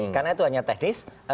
karena itu hanya teknis